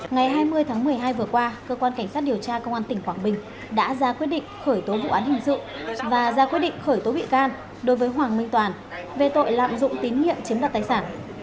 ngày hai mươi tháng một mươi hai vừa qua cơ quan cảnh sát điều tra công an tỉnh quảng bình đã ra quyết định khởi tố vụ án hình sự và ra quyết định khởi tố bị can đối với hoàng minh toàn về tội lạm dụng tín nhiệm chiếm đoạt tài sản